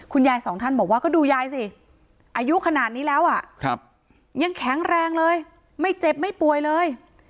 สองท่านบอกว่าก็ดูยายสิอายุขนาดนี้แล้วอ่ะยังแข็งแรงเลยไม่เจ็บไม่ป่วยเลย